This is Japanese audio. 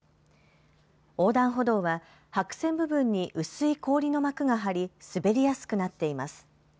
横断歩道は白線部分に薄い氷の膜が張り、滑りやすくなっています。